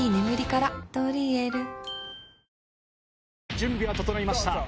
準備は整いました。